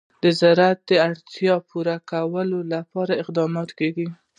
د زراعت د اړتیاوو پوره کولو لپاره اقدامات کېږي.